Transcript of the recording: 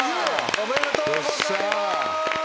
おめでとうございます。